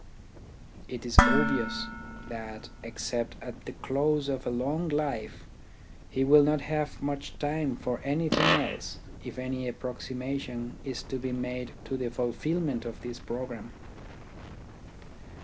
It is obvious that, except at the close of a long life, he will not have much time for anything else if any approximation is to be made to the fulfilment of this programme.